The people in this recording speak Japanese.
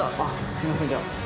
すいませんじゃあ。